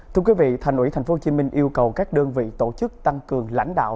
thưa quý vị thành ủy tp hcm yêu cầu các đơn vị tổ chức tăng cường lãnh đạo